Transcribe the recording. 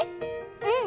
うん。